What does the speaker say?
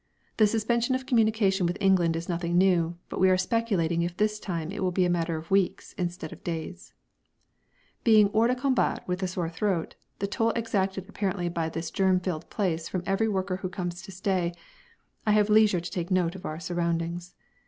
The suspension of communication with England is nothing new, but we are speculating if this time it will be a matter of weeks instead of days. Being hors de combat with a sore throat the toll exacted apparently by this germ filled place from every worker who comes to stay I have leisure to note our surroundings.